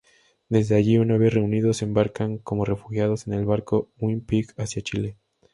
Desde allí, una vez reunidos, embarcan como refugiados en el barco "Winnipeg" hacia Chile.